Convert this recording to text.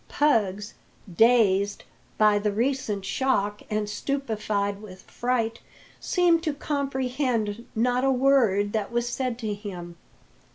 Puggs, dazed "by the recent shock, and stupefied with fright, seemed to comprehend not a word that was said to him.